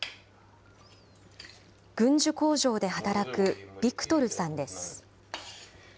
軍需工場で働くビクトルさんです。